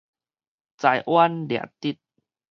裁彎掠直